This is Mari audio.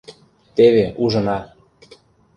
Теве ужына».